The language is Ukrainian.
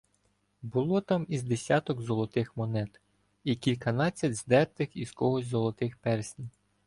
Було там із десяток золотих монет і кільканадцять здертих із когось золотих перснів.